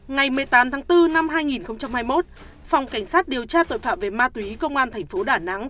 ngày một mươi tám tháng bốn năm hai nghìn hai mươi một phòng cảnh sát điều tra tội phạm về ma túy công an thành phố đà nẵng